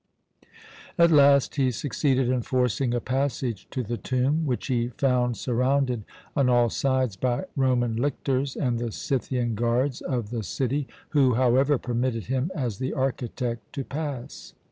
At last he succeeded in forcing a passage to the tomb, which he found surrounded on all sides by Roman lictors and the Scythian guards of the city, who, however, permitted him, as the architect, to pass.